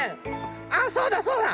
あそうだそうだ！